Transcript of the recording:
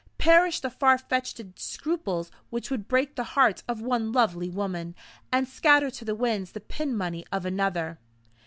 Perish the far fetched scruples which would break the heart of one lovely woman, and scatter to the winds the pin money of another!